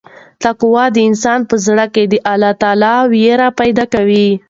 تقوا د انسان په زړه کې د الله وېره پیدا کوي.